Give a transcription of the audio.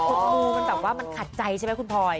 งูมันแบบว่ามันขัดใจใช่ไหมคุณพลอย